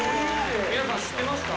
「皆さん知ってました？」